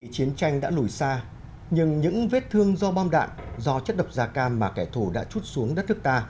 chiến tranh đã lùi xa nhưng những vết thương do bom đạn do chất độc da cam mà kẻ thù đã chút xuống đất nước ta